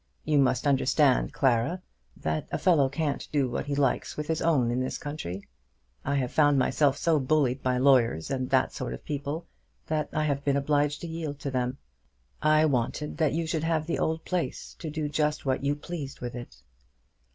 You must understand, Clara, that a fellow can't do what he likes with his own in this country. I have found myself so bullied by lawyers and that sort of people, that I have been obliged to yield to them. I wanted that you should have the old place, to do just what you pleased with it."